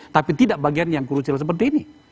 tapi tidak bagian yang krucial seperti ini